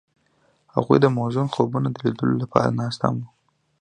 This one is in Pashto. هغوی د موزون خوبونو د لیدلو لپاره ناست هم وو.